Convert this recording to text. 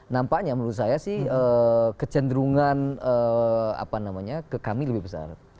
nampaknya menurut saya sih kecenderungan ke kami lebih besar